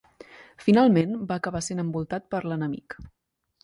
Finalment va acabar sent envoltat per l'enemic.